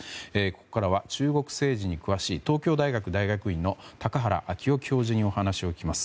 ここからは中国政治に詳しい東京大学大学院の高原明生教授にお話を聞きます。